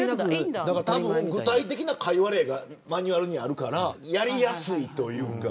具体的な会話例がマニュアルにあるからやりやすいというか。